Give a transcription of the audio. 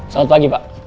selamat pagi pak